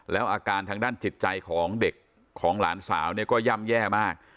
แล้วอาการทางด้านจิตใจของเด็กของหลานสาวเนี่ยก็ย่ำแย่มาก